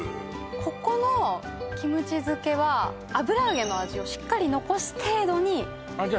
ここのキムチ漬けは油揚げの味をしっかり残す程度にじゃ